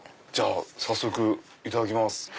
早速いただきます。